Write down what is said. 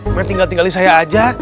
pengen tinggal tinggalin saya aja